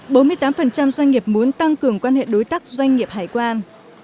bốn mươi tám doanh nghiệp muốn tăng cường quan hệ đối tác doanh nghiệp hải quan